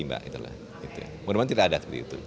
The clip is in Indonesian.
menurut saya tidak ada seperti itu